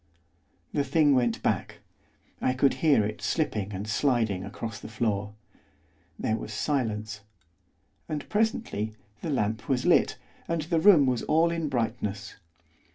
The thing went back, I could hear it slipping and sliding across the floor. There was silence. And, presently, the lamp was lit, and the room was all in brightness.